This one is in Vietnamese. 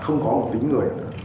những người bỏ chém như thế này